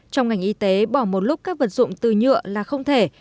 trong ngành y tế bỏ một lúc các vật dụng từ nhựa là không thể